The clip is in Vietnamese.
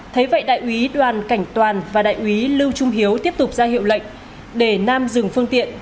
thế vậy đại úy đoàn cảnh toàn và đại úy lưu trung hiếu tiếp tục ra hiệu lệnh để nam dừng phương tiện